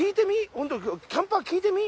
本当今日キャンパー聞いてみ？